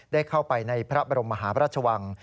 ได้เข้าไปในพระบรมมหาพระราชวัง